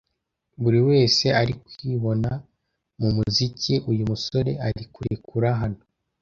buri wese ari kwibona mu muziki uyu musore ari kurekura hano